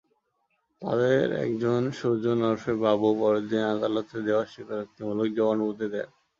তাঁদের একজন সুজন ওরফে বাবু পরদিন আদালতে দেওয়া স্বীকারোক্তিমূলক জবানবন্দি দেন।